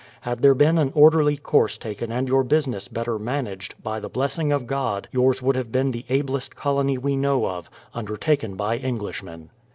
... Had there been an orderly course taken and your business better managed, by the blessing of God yours would have been the ablest colony we know of, undertaken by Englishmen.